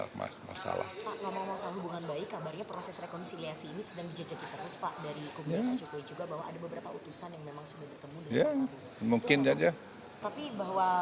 pak ngomong ngomong soal hubungan baik kabarnya proses rekonsiliasi ini sedang dijajaki terus pak dari kementerian jokowi juga bahwa ada beberapa utusan yang memang sudah bertemu dengan prabowo